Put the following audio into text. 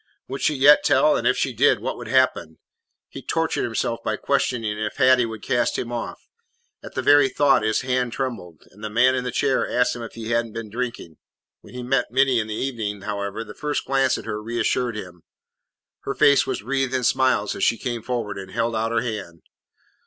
Would she yet tell, and if she did, what would happen? He tortured himself by questioning if Hattie would cast him off. At the very thought his hand trembled, and the man in the chair asked him if he had n't been drinking. When he met Minty in the evening, however, the first glance at her reassured him. Her face was wreathed in smiles as she came forward and held out her hand.